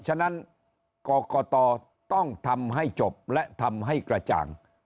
ฉะนั้นกรกตต้องทำให้จบและทำให้กระจ่าง